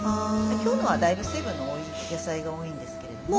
今日のはだいぶ水分の多い野菜が多いんですけれども。